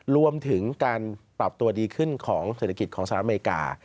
รวมถึงการปรับตัวดีขึ้นของเศรษฐกิจของสหรัฐอเมริกา